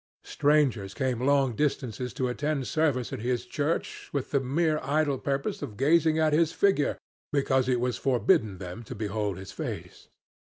Strangers came long distances to attend service at his church with the mere idle purpose of gazing at his figure because it was forbidden them to behold his face.